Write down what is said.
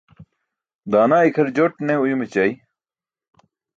Daanaa ikʰar jot ne uyum ećay.